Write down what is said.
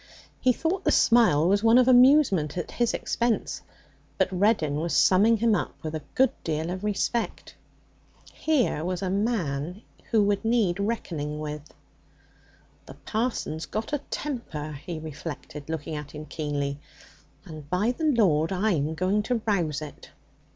He thought the smile was one of amusement at his expense. But Reddin was summing him up with a good deal of respect. Here was a man who would need reckoning with. 'The parson's got a temper,' he reflected, looking at him keenly, 'and, by the Lord, I'm going to rouse it!'